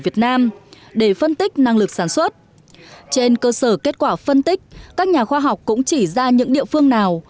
trên cơ sở kết quả phân tích các nhà khoa học cũng chỉ ra những địa phương nào